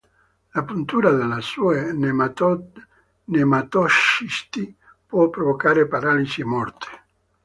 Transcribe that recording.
La puntura delle sue nematocisti può provocare paralisi o morte.